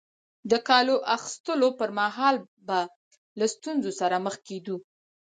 د کالو اغوستلو پر مهال به له ستونزو سره مخ کېدو.